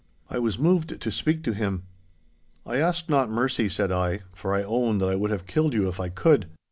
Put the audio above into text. I was moved to speak to him. 'I ask not mercy,' said I, 'for I own that I would have killed you if I could.